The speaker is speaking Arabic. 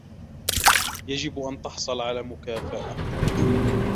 يجب ان تحصل على مكافأة